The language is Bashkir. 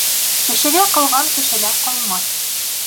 Кешегә ҡылған кешелә ҡалмаҫ.